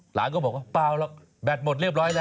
หลานก็บอกว่าเปล่าหรอกแบตหมดเรียบร้อยแล้ว